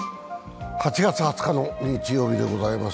８月２０日の日曜日でございます。